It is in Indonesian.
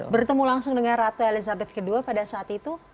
bertemu langsung dengan ratu elizabeth ii pada saat itu